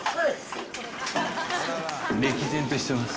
歴然としてます。